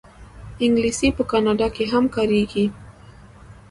انګلیسي په کاناډا کې هم کارېږي